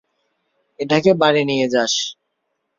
এটাকে বাড়ি নিয়ে যাস।